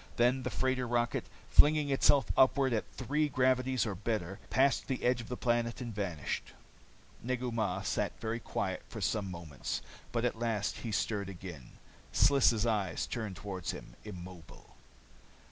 Then the freighter rocket, flinging herself upward at three gravities or better, passed the edge of the planet and vanished. Negu Mah sat very quiet for some moments. But at last he stirred again. Sliss' eyes turned toward him, immobile.